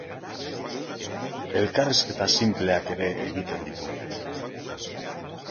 Elkarrizketa sinpleak ere egiten ditu.